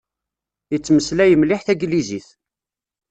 Yettmeslay mliḥ taglizit.